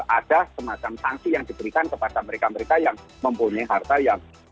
ada semacam sanksi yang diberikan kepada mereka mereka yang mempunyai harta yang